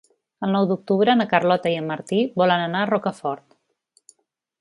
El nou d'octubre na Carlota i en Martí volen anar a Rocafort.